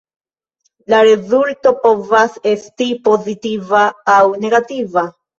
La rezulto povas esti pozitiva aŭ negativa.